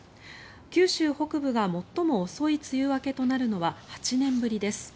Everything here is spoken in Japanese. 九州北部が最も遅い梅雨明けとなるのは８年ぶりです。